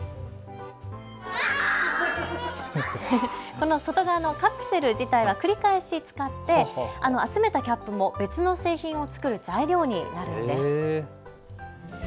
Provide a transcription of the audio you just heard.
この外側のカプセル自体は繰り返し使って集めたキャップも別の製品を作る材料になるんです。